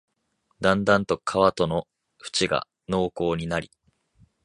だんだんと川との縁が濃厚になり、